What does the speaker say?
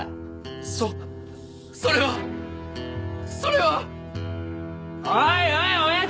そそれはそれはおいおいおやじ！